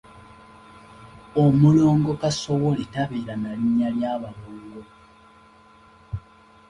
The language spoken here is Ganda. Omulongo kasowole tabeera na linnya lya Balongo.